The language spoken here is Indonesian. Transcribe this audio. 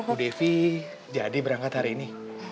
bu devi jadi berangkat hari ini